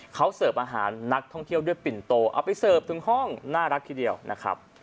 เขาเสิร์ฟอาหารนักท่องเที่ยวด้วยปิ่นโตเอาไปเสิร์ฟถึงห้องน่ารักทีเดียวนะครับ